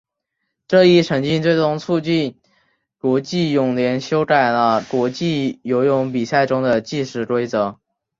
这一成绩最终促使国际泳联修改了国际游泳比赛中的计时规则。